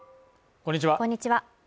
こんにちは。